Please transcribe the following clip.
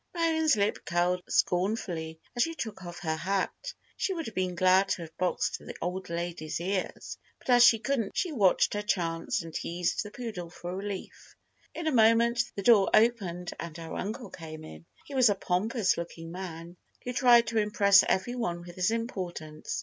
Marion's lip curled scornfully as she took off her hat. She would have been glad to have boxed the old lady's ears, but as she couldn't she watched her chance and teased the poodle for relief. In a moment the door opened and her uncle came in. He was a pompous looking man who tried to impress every one with his importance.